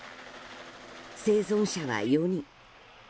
生存者は４人。